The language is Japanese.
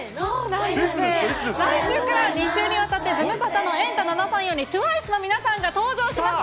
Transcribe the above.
来週から２週にわたって、ズムサタのエンタ７３４よりＴＷＩＣＥの皆さんが登場します。